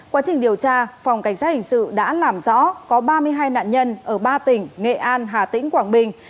quá trình điều tra phòng cảnh sát hình sự đã làm rõ có ba mươi hai nạn nhân ở ba tỉnh nghệ an hà tĩnh quảng bình